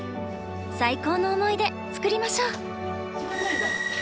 最高の思い出作りましょう。